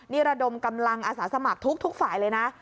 นี่ระดมกำลังอาสาสมัครทุกฝ่ายเลยนะ